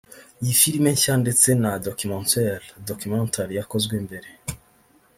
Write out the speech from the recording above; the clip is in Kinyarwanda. iyi film nshya ndetse na documentaire/documentary yakozwe mbere